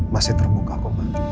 masih terbuka kok ma